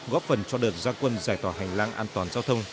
góp phần cho đợt gia quân giải tỏa hành lang an toàn giao thông